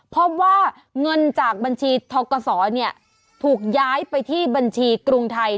พบว่าเงินจากบัญชีทกศถูกย้ายไปที่บัญชีกรุงไทย